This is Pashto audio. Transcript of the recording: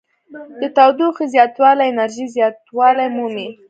د تودوخې زیاتوالی انرژي زیاتوالی مومي.